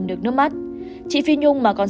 được nước mắt chị phi nhung mà còn